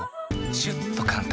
シュッと簡単！